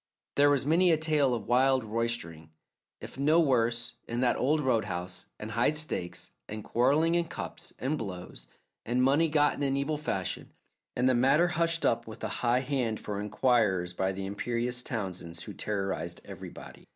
There was many a tale of wild roistering, if no worse, in that old roadhouse, and high stakes, and quarreling in cups, and blows, and money gotten in evil fashion, and the matter hushed up with a high hand for inquirers by the imperious Townsends who terrorized everybody.